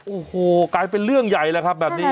โอ้โหกลายเป็นเรื่องใหญ่แล้วครับแบบนี้